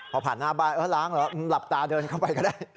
พอผ่านหน้าบ้านเออล้างเหรอหลับตาเดินเข้าไปก็ได้